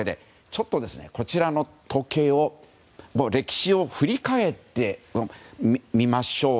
ちょっとこちらの時計を歴史を振り返ってみましょう。